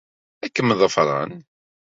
Ad kem-ḍefren.